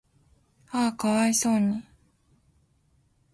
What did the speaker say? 嗚呼可哀想に